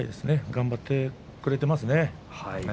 頑張ってくれていますね。